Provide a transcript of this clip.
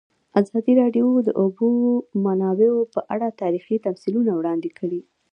ازادي راډیو د د اوبو منابع په اړه تاریخي تمثیلونه وړاندې کړي.